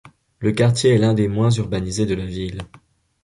Le quartier est l'un des moins urbanisé de la ville.